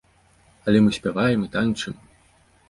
Але мы спяваем і танчым!